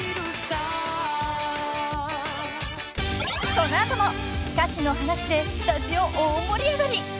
［この後も歌詞の話でスタジオ大盛り上がり］